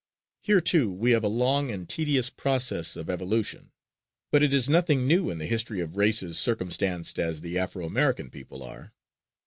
Here, too, we have a long and tedious process of evolution, but it is nothing new in the history of races circumstanced as the Afro American people are.